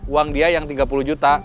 uang dia yang tiga puluh juta